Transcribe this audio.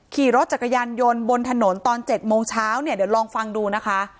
ขี่รถจักรยานยนต์บนถนนตอน๗โมงเช้าเนี่ยเดี๋ยวลองฟังดูนะคะ